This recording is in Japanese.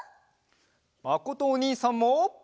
まことおにいさんも！